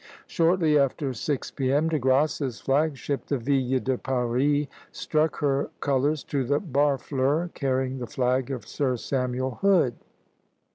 Shortly after six P.M. De Grasse's flag ship, the "Ville de Paris," struck her colors to the "Barfleur," carrying the flag of Sir Samuel Hood.